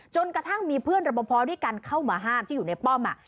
จนกระทั่งมีเพื่อนรับประพอด้วยกันเข้ามาห้ามที่อยู่ในป้อม